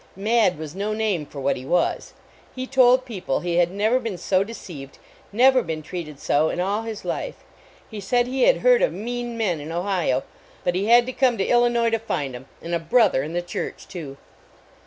Mad was no name for what he was. He told people he had never been so deceived, never been treated so in all his life. He said he had heard of mean men 54 A NEIGHBORLY NEIGHBORHOOD in Ohio, but he had to come to Illinois to find em. And a brother in the church, too.